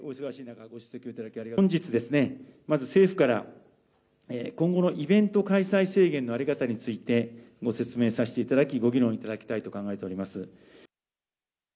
本日、まず政府から、今後のイベント開催制限の在り方について、ご説明させていただき、ご議論いただきたいと考えております。